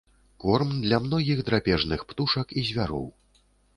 Корм для многіх драпежных птушак і звяроў.